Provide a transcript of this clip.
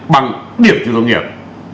bằng điểm chủ động nghiệp